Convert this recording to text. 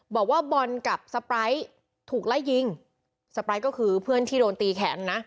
บอกว่าบอลกับสปายถูกไล่ยิงสไปร์ก็คือเพื่อนที่โดนตีแขนนะ